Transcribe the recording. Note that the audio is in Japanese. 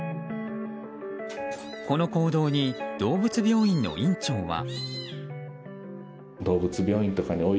この行動に、動物病院の院長は。